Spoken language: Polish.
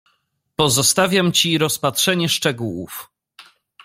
"Pozostawiam ci rozpatrzenie szczegółów."